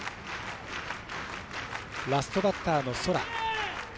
ラストバッターの空。